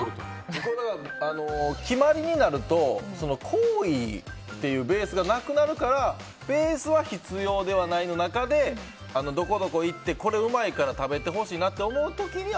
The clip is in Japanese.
僕は決まりになると好意っていうベースがなくなるからベースは必要ではないの中でどこどこ行って、これうまいから食べてほしいなと思った時に